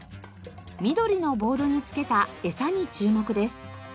緑のボードにつけたエサに注目です。